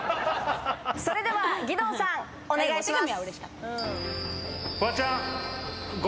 それでは義堂さん、お願いします。